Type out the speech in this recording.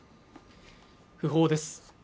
訃報です